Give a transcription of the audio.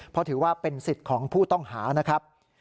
เพราะถือว่าเป็นสิทธิ์ของผู้ต้องหานะครับ